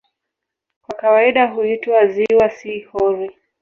Kwa kawaida huitwa "ziwa", si "hori".